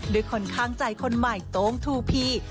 คนข้างใจคนใหม่โต้งทูพี